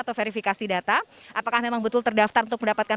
atau verifikasi data apakah memang betul terdaftar untuk mendapatkan